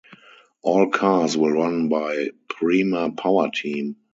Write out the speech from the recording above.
All cars will be run by Prema Powerteam.